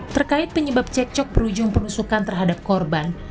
terkait penyebab cekcok berujung penusukan terhadap korban